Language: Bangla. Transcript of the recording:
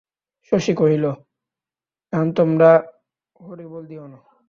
শশী কহিল, এখন তোমরা হরিবোল দিও না।